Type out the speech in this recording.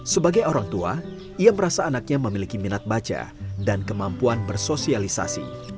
sebagai orang tua ia merasa anaknya memiliki minat baca dan kemampuan bersosialisasi